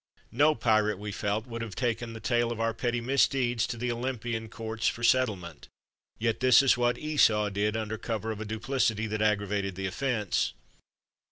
No pirate, we felt, would have taken the tale of our petty mis deeds to the Olympian courts for settlement, yet this is what Esau did under cover of a duplicity that aggravated the offence.